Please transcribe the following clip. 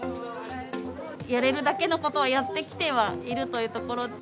やれるだけのことはやってきてはいるというところ。